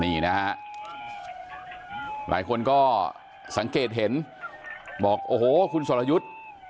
นี่นะฮะหลายคนก็สังเกตเห็นบอกโอ้โหคุณสรยุทธ์